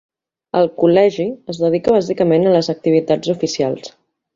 El Col·legi es dedica bàsicament a les activitats oficials.